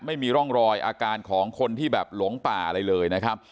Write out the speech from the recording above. ไม่มีร่องรอยอาการของคนที่แบบหลงป่าอะไรเลยนะครับ